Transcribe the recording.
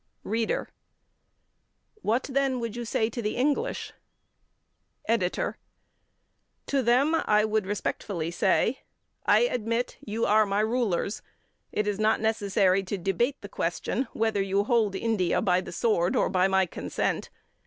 READER: What, then, would you say to the English? EDITOR: To them I would respectfully say: "I admit you are my rulers. It is not necessary to debate the question whether you hold India by the sword or by my consent.